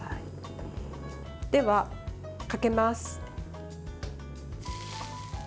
では、かけます。